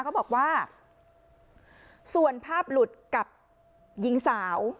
เขาบอกว่าส่วนภาพหลุดกับหญิงสาว